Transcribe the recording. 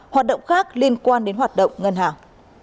hoạt động khác liên quan đến hoạt động ngân hàng